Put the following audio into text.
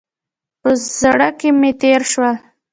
په زړه کې مې تېر شول.